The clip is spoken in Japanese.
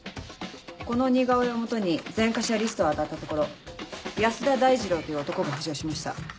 この似顔絵を基に前科者リストを当たったところ安田大二郎という男が浮上しました。